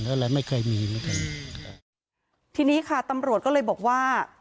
อะไรไม่เคยมีไม่เคยมีทีนี้ค่ะตำรวจก็เลยบอกว่า